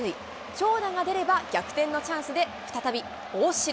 長打が出れば逆転のチャンスで再び大城。